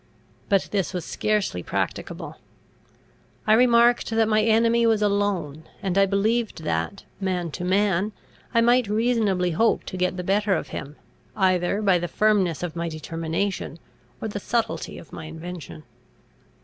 But this was scarcely practicable: I remarked that my enemy was alone; and I believed that, man to man, I might reasonably hope to get the better of him, either by the firmness of my determination, or the subtlety of my invention.